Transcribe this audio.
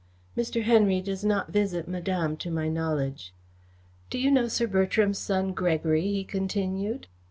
"Mr. Henry does not visit Madame to my knowledge." "Do you know Sir Bertram's son, Gregory?" he continued.